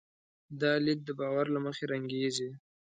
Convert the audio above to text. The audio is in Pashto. دا لید د باور له مخې رنګېږي.